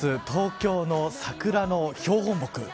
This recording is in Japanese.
東京の桜の標本木。